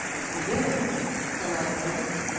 And then shall I admit it?